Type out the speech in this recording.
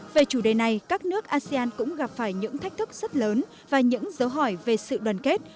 về chủ đề này các nước asean cũng gặp phải những thách thức rất lớn và những dấu hỏi về sự đoàn kết